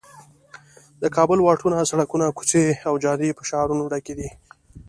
د کابل واټونه، سړکونه، کوڅې او جادې په شعارونو ډک دي.